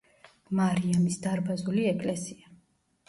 მარიამის დარბაზული ეკლესია.